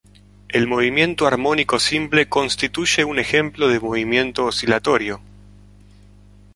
El movimiento armónico simple constituye un ejemplo de movimiento oscilatorio.